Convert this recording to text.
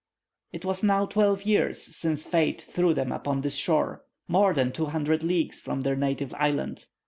It was now twelve years since fate threw them upon this shore, more than two hundred leagues from their native island.